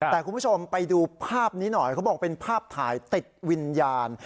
แต่คุณผู้ชมไปดูภาพนี้หน่อยเขาบอกเป็นภาพถ่ายติดวิญญาณ